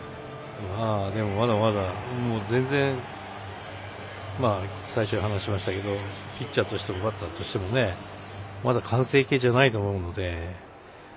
まだまだ全然最初に話しましたけどピッチャーとしてもバッターとしてもまだ完成形じゃないと思うので。